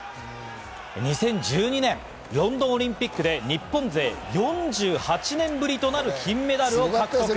２０１２年、ロンドンオリンピックで日本勢４８年ぶりとなる金メダルを獲得。